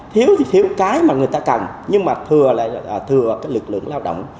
thiếu thì thiếu cái mà người ta cần nhưng mà thừa lại là thừa cái lực lượng lao động